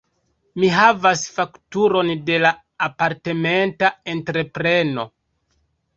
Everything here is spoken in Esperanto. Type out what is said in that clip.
Mi havas fakturon de la apartamenta entrepreno.